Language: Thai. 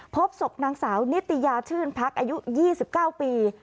พบศพนางสาวนิตยาชื่นพักอายุ๒๙ปี